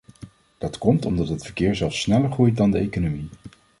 Dat komt omdat het verkeer zelfs sneller groeit dan de economie.